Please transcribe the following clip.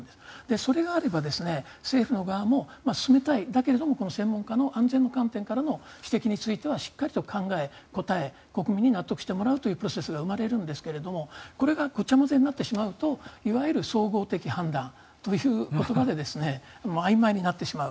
それがあれば政府の側も進めたいけれどもこの専門家の安全の観点からも指摘についてはしっかりと考え、答え国民に納得してもらうというプロセスが生まれるんですがこれがごちゃ混ぜになってしまうといわゆる総合的判断という言葉であいまいになってしまう。